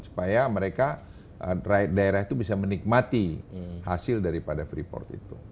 supaya mereka daerah itu bisa menikmati hasil daripada freeport itu